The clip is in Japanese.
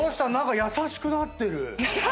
何か優しくなってる。